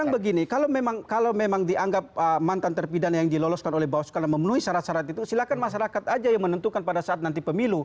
begini kalau memang dianggap mantan terpidana yang diloloskan oleh bawaskala memenuhi syarat syarat itu silakan masyarakat aja yang menentukan pada saat nanti pemilu